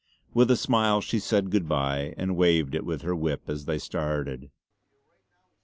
With a smile she said good bye and waved it with her whip as they started.